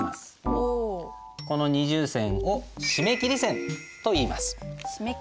この二重線を締め切り線といいます。